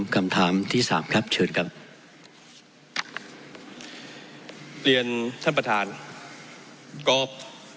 ขอบคุณครับ